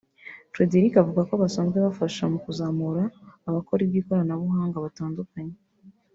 Frederick avuga ko basanzwe bafasha mu kuzamura abakora iby’ikoranabuhanga batandukanye